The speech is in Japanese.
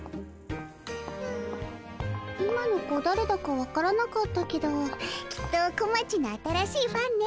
今の子だれだか分からなかったけどきっと小町の新しいファンね。